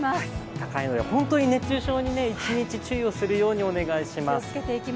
高いので本当に熱中症に一日注意をするようにお願いします。